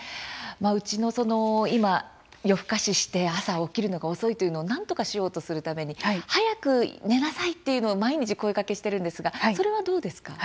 うちの今夜更かしして朝起きるのが遅いというのをなんとかしようとするために早く寝なさいというのを毎日声かけしてるんですがそれはどうですか。